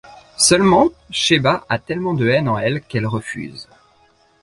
Seulement, Sheiba a tellement de haine en elle qu'elle refuse.